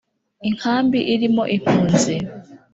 Inkambi irimo impunzi.